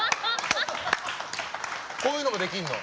こういうのもできんの。